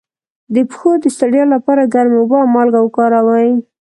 د پښو د ستړیا لپاره ګرمې اوبه او مالګه وکاروئ